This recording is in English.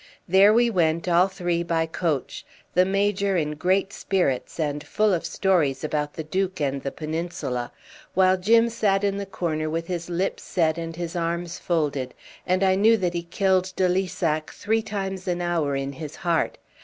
There we went, all three, by coach: the Major in great spirits and full of stories about the Duke and the Peninsula, while Jim sat in the corner with his lips set and his arms folded, and I knew that he killed de Lissac three times an hour in his heart.